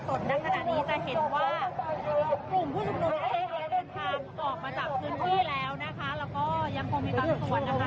โดยทางตัวแทนของกลุ่มผู้ชุมนุมนะคะได้มีการประกาศให้กลุ่มผู้ชุมนุมทุกคนนะคะ